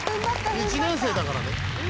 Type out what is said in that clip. １年生だからね」